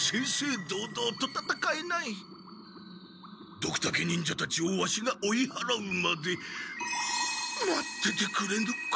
ドクタケ忍者たちをワシが追いはらうまで待っててくれぬか？